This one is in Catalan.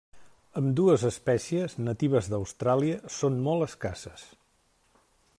Ambdues espècies, natives d'Austràlia, són molt escasses.